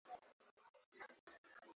Mifugo asilia hasa ngombe wenye nundu